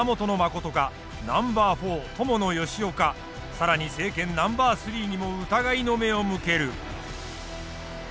伴善男か更に政権ナンバー３にも疑いの目を向ける。